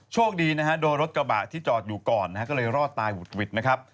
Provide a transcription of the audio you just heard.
โชคดีนะฮะโดรสกระบะจอดอยู่ก่อนก็เลยรอดตายเหล่ะ